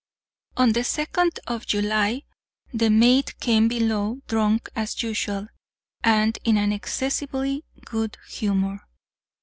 On the second of July the mate came below drunk as usual, and in an excessively good humor.